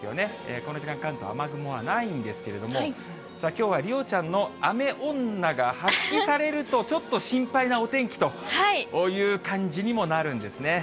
この時間、関東、雨雲はないんですけれども、さあ、きょうは梨央ちゃんの雨女が発揮されると、ちょっと心配なお天気という感じにもなるんですね。